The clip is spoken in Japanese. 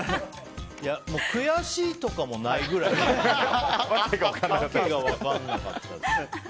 もう悔しいとかもないぐらい訳が分かんなかったです。